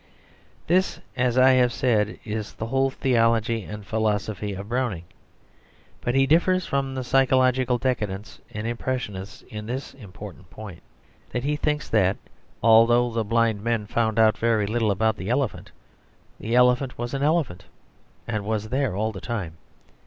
This, as I have said, is the whole theology and philosophy of Browning. But he differs from the psychological decadents and impressionists in this important point, that he thinks that although the blind men found out very little about the elephant, the elephant was an elephant, and was there all the time.